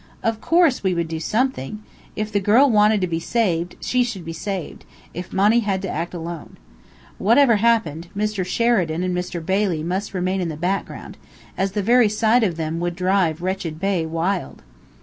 Of course, we would do something! If the girl wanted to be saved, she should be saved, if Monny had to act alone. Whatever happened, Mr. Sheridan and Mr. Bailey must remain in the background, as the very sight of them would drive "Wretched Bey" _wild!